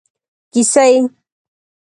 کیسۍ